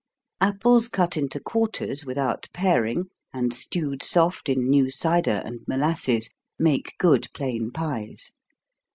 Apples cut into quarters, without paring, and stewed soft in new cider and molasses, make good plain pies.